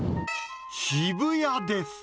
渋谷です。